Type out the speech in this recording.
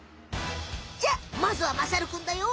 じゃまずはまさるくんだよ。